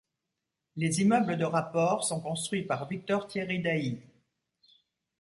Les immeubles de rapport sont construits par Victor-Thierry Dailly.